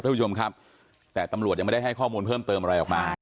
ท่านผู้ชมครับแต่ตำรวจยังไม่ได้ให้ข้อมูลเพิ่มเติมอะไรออกมา